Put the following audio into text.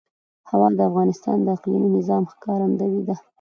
هوا د افغانستان د اقلیمي نظام ښکارندوی ده.